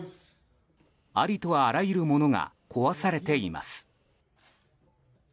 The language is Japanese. ありとあらゆるものが壊されています。